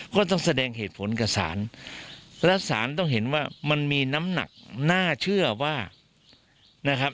ก็ต้องแสดงเหตุผลกับสารและสารต้องเห็นว่ามันมีน้ำหนักน่าเชื่อว่านะครับ